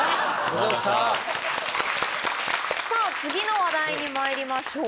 さぁ次の話題にまいりましょう。